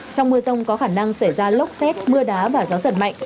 trong mưa rông có khả năng xảy ra lốc xét mưa đá và gió giật mạnh